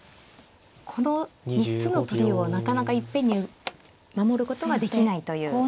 この３つの取りをなかなかいっぺんに守ることはできないという。